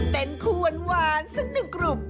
เป็นควนหวานสักหนึ่งกลุ่ม